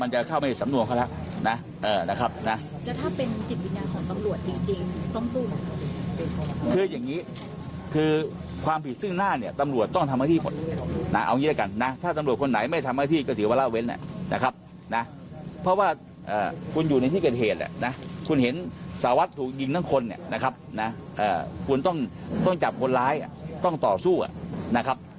เหมือนสารวัฒน์ถูกยิงทั้งคนนะครับคุณต้องจับคนร้ายต้องต่อสู้นะครับ